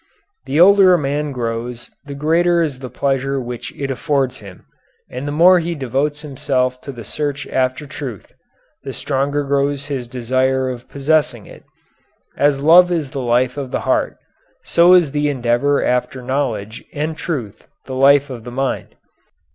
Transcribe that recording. The older a man grows the greater is the pleasure which it affords him, and the more he devotes himself to the search after truth, the stronger grows his desire of possessing it. As love is the life of the heart, so is the endeavor after knowledge and truth the life of the mind.